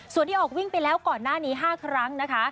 ส่วนที่ออกวิ่งไปแล้วก่อนหน้านี้๕ครั้งนะคะ